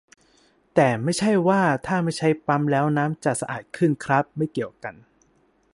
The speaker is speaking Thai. แต่ไม่ใช่ว่า ถ้าไม่ใช้ปั๊มแล้วน้ำจะสะอาดขึ้นครับ ไม่เกี่ยวกัน